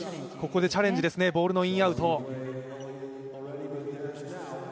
ここでチャレンジですね、ボールのイン・アウト。